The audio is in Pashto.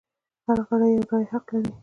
هر غړی یوه رایه حق لري.